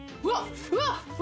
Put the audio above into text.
うわっ